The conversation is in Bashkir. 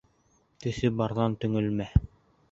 Төҫө барҙан төңөлмә.